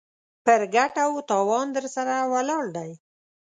پر ګټه و تاوان درسره ولاړ دی.